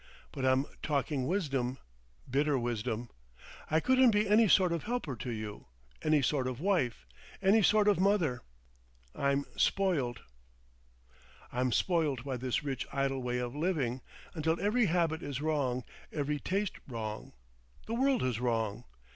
But I'm talking wisdom—bitter wisdom. I couldn't be any sort of helper to you, any sort of wife, any sort of mother. I'm spoilt. "I'm spoilt by this rich idle way of living, until every habit is wrong, every taste wrong. The world is wrong.